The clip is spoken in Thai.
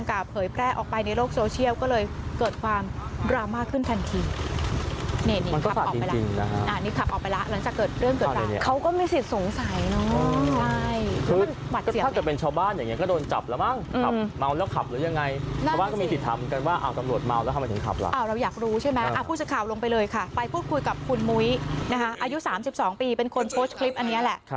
อายุ๓๒ปีเป็นคนโพสต์คลิปอันนี้นะ